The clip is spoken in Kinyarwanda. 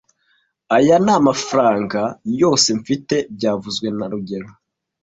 Aya ni amafaranga yose mfite byavuzwe na rugero